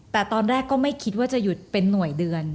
แต่ตอนแรกก็ไม่คิดว่าจะหยุดเป็นหน่วยเดือน